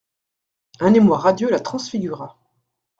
Un émoi radieux la transfigura.